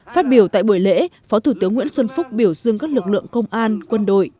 phát biểu tại buổi lễ phó thủ tướng nguyễn xuân phúc biểu dương các lực lượng công an quân đội